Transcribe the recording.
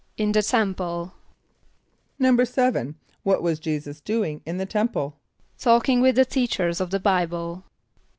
=In the Temple.= =7.= What was J[=e]´[s+]us doing in the Temple? =Talking with the teachers of the Bible.